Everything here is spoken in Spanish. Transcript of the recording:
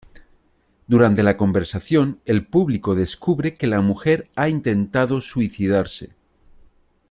Durante la conversación, el público descubre que la mujer ha intentado suicidarse.